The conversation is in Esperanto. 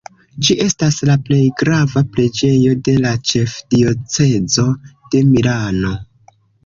Ĝi estas la plej grava preĝejo de la ĉefdiocezo de Milano.